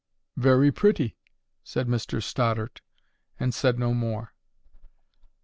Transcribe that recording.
"Very pretty," said Mr Stoddart, and said no more.